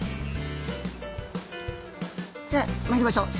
じゃあまいりましょう。